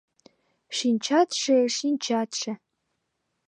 Шинчатше, шинчатше...